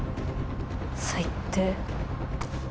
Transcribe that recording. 最低。